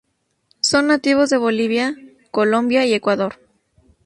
Son nativas de Bolivia, Colombia y Ecuador.